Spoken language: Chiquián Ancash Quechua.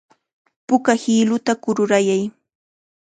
Puka hiluta kururayay.